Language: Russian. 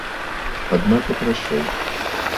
Однако прощай!